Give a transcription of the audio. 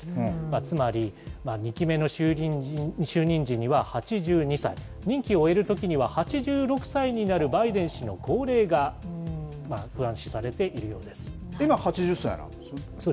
つまり、２期目の就任時には８２歳、任期を終えるときには８６歳になるバイデン氏の高齢が不安視され今、８０歳なんですよね。